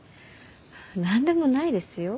何でもないですよ。